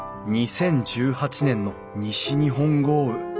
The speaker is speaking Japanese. ２０１８年の西日本豪雨。